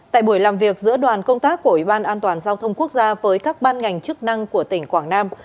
tại buổi làm việc giữa đoàn công tác của ủy ban an toàn giao thông quốc gia với các ban ngành chức năng của tỉnh quảng nam